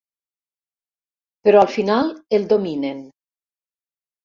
Però al final el dominen.